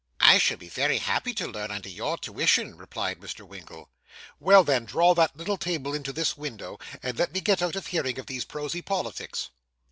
'I shall be very happy to learn under your tuition,' replied Mr. Winkle. 'Well, then, draw that little table into this window, and let me get out of hearing of those prosy politics.